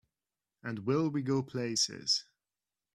And will we go places!